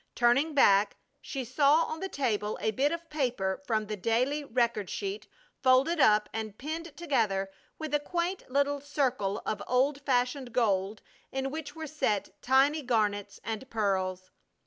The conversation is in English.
Turning back, she saw on the table a bit of paper from the daily record sheet folded up and pinned together with a quaint little circle of old fashioned gold in which were set tiny garnets and pearls.